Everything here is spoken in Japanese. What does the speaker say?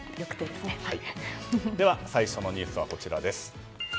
では最初のニュースはこちらです。